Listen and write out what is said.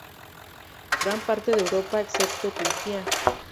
Gran parte de Europa, excepto Turquía.